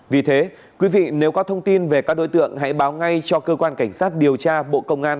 vì thế quý vị nếu có thông tin về các đối tượng hãy báo ngay cho cơ quan cảnh sát điều tra bộ công an